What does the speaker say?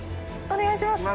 お願いします。